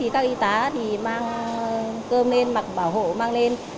các y tá mang cơm lên mặc bảo hộ mang lên